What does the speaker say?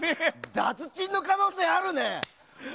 脱チンの可能性あるね！